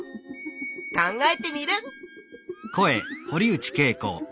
考えテミルン！